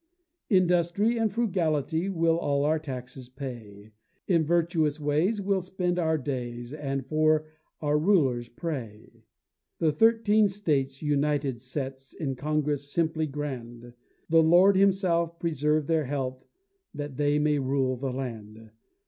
Industry and frugality Will all our taxes pay; In virtuous ways, we'll spend our days, And for our rulers pray. The Thirteen States, united sets, In Congress simply grand; The Lord himself preserve their health, That they may rule the land.